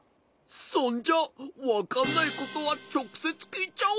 そんじゃわかんないことはちょくせつきいちゃおう！